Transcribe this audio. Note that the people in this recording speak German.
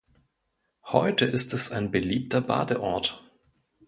Heute ist es ein beliebter Badeort.